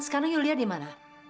sekarang yulia di mana